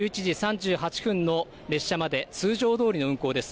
のぞみ、ひかり、こだまと１１時３８分の列車まで通常どおりの運行です。